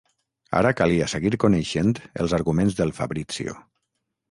Ara calia seguir coneixent els arguments del Fabrizio.